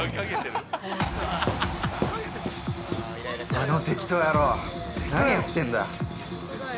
◆あの適当野郎、何やってんだ！